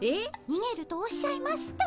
にげるとおっしゃいますと？